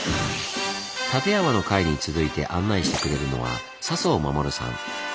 「館山」の回に続いて案内してくれるのは笹生衛さん。